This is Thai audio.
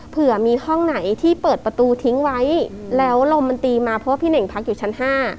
เผื่อมีห้องไหนที่เปิดประตูทิ้งไว้แล้วลมมันตีมาเพราะว่าพี่เน่งพักอยู่ชั้น๕